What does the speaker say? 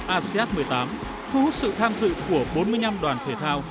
asean một mươi tám thu hút sự tham dự của bốn mươi năm đoàn thể thao